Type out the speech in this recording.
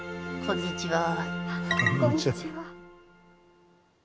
こんにちは。